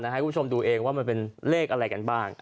ให้คุณผู้ชมดูเองว่ามันเป็นเลขอะไรกันบ้าง